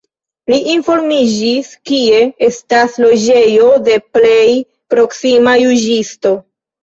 Li informiĝis, kie estas loĝejo de plej proksima juĝisto.